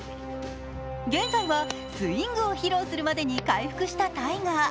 現在はスイングを披露するまで回復したタイガー。